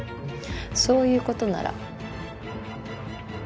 そういうことなら。